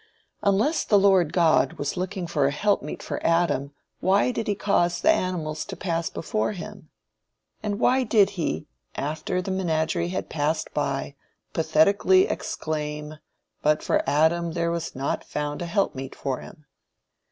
Unless the Lord God was looking for an helpmeet for Adam, why did he cause the animals to pass before him? And why did he, after the menagerie had passed by, pathetically exclaim, "But for Adam there was not found an helpmeet for him?"